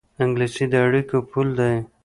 انګلیسي د اړیکو پُل دی